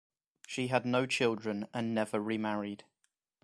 She had no children and never remarried.